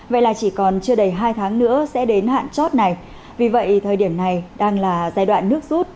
vậy là chỉ còn chưa đầy hai tháng nữa sẽ đến hạn chót này vì vậy thời điểm này đang là giai đoạn nước rút